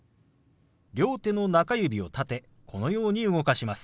両手の中指を立てこのように動かします。